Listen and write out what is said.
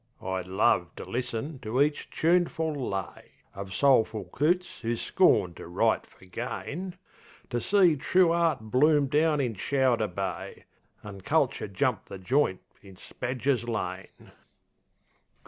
I'd love to listen to each choonful lay Uv soulful coots who scorn to write fer gain; To see True Art bloom down in Chowder Bay, An' Culcher jump the joint in Spadger's Lane.